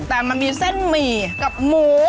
แต่มันมีเส้นหมี่กับหมู